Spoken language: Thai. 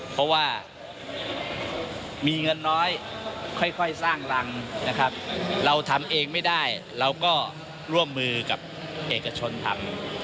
เพราะว่ามีเงินน้อยค่อยสร้างรังนะครับเราทำเองไม่ได้เราก็ร่วมมือกับเอกชนทำ